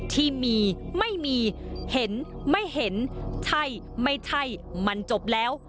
ที่มีไม่มีเห็นไม่เห็นใช่ไม่ใช่มันจบแล้ว